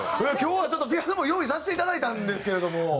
今日はちょっとピアノも用意させていただいたんですけれども。